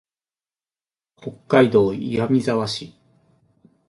北海道岩見沢市